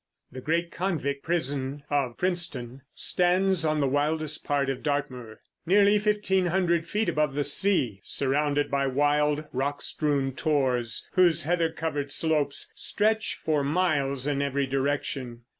The great convict prison of Princetown stands on the wildest part of Dartmoor, nearly fifteen hundred feet above the sea, surrounded by wild, rock strewn tors, whose heather covered slopes stretch for miles in every direction.